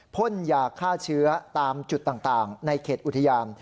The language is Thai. พ่นยาฆ่าเชื้อตามจุดต่างในเขตอุทยาน